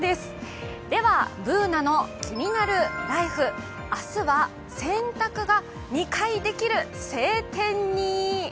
「ＢｏｏｎａのキニナルＬＩＦＥ」明日は洗濯が２回できる晴天に！